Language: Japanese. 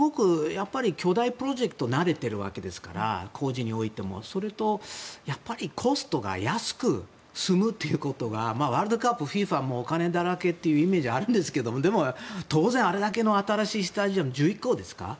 やっぱり巨大プロジェクト慣れていますから工事においてもそれとやっぱりコストが安く済むということがワールドカップＦＩＦＡもお金だらけというイメージがあるんですが当然あれだけの新しいスタジアム１１個ですか？